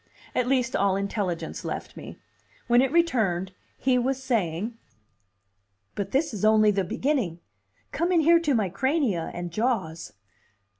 At least, all intelligence left me. When it returned, he was saying. "But this is only the beginning. Come in here to my crania and jaws."